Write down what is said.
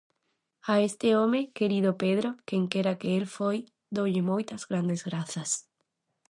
A este home, querido Pedro, quen queira que el foi doulle moitas grandes grazas.